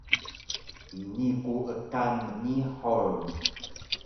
ini ku ekan mnihur